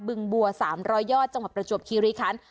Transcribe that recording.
ึงบัว๓๐๐ยอดจังหวัดประจวบคีรีคัน